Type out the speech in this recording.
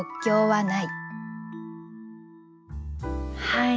はい。